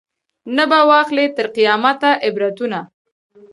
نه به واخلي تر قیامته عبرتونه